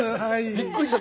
びっくりした。